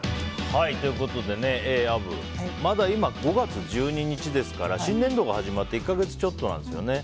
アブ、まだ今５月１２日なので新年度が始まって１か月ちょっとなんですよね。